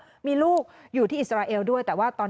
ก็มีลูกอยู่ที่อิสราเอลด้วย